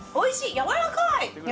やわらかい！